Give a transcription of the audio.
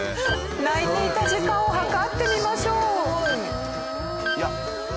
鳴いていた時間を計ってみましょう。